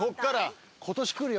今年くるよ